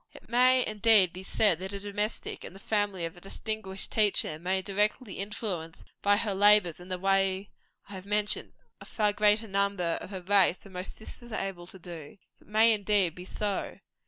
It may indeed be said, that a domestic, in the family of a distinguished teacher, may indirectly influence, by her labors in the way I have mentioned, a far greater number of her race than most sisters are able to do. It may, indeed, be so.